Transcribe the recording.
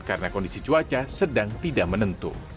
karena kondisi cuaca sedang tidak menentu